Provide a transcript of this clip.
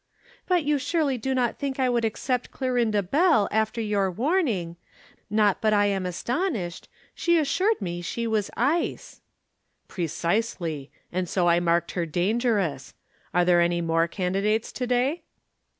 "But you surely do not think I would accept Clorinda Bell after your warning. Not but that I am astonished. She assured me she was ice." "Precisely. And so I marked her 'Dangerous.' Are there any more candidates to day?"